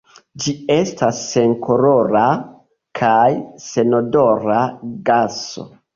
Ĝi estas senkolora kaj senodora gaso.